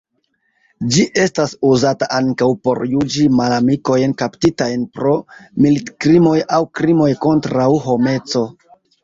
Ĝi estas uzata ankaŭ por juĝi malamikojn kaptitajn pro militkrimoj aŭ krimoj kontraŭ homeco.